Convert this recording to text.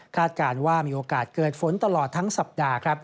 คาดการณ์ว่ามีโอกาสเกิดฝนตลอดทั้งสัปดาห์